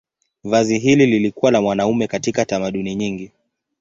Vazi hili lilikuwa la wanaume katika tamaduni nyingi.